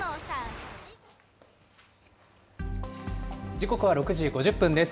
時刻は６時５０分です。